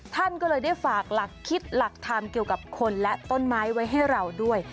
ท่านก็เลยได้ฝากหลักคิดหลักธรรมเกี่ยวกับคนและต้นไม้ไว้ให้เราด้วย